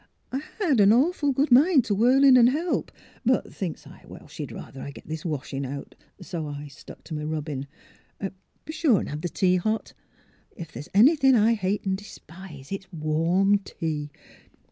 I had an awful good mind t' whirl in and help; but, think's I, she'd ruther I'd git this washin' out; so I stuck to m' rubbin'. — Be sure an' have the tea hot. Ef there's anythin' I hate an' de spise it's ivarm tea.